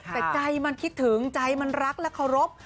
แต่ใจมันคิดถึงใจมันรักและเคารพ